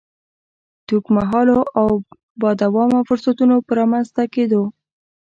د اوږد مهالو او با دوامه فرصتونو په رامنځ ته کېدو.